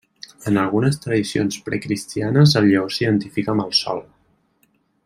En algunes tradicions precristianes, el lleó s'identifica amb el Sol.